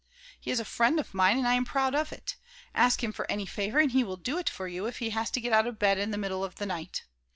He is a friend of mine and I am proud of it. Ask him for any favor and he will do it for you if he has to get out of bed in the middle of the night.